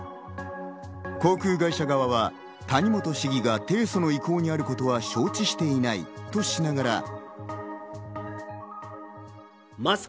航空会社側は谷本市議が提訴の意向にあることは承知していないとしながら。